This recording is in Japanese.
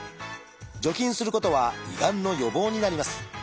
除菌することは胃がんの予防になります。